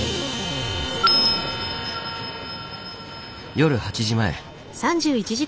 夜８時前。